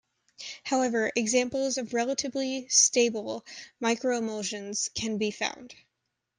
However, examples of relatively stable microemulsions can be found.